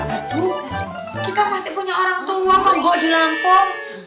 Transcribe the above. aduh kita pasti punya orang tua mbak di langkong